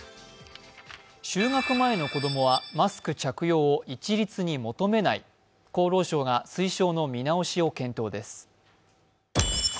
就学前の子供はマスク着用を一律に求めない厚労省が推奨の見直しを検討です。